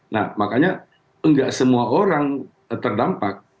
nah makanya enggak semua orang terdampak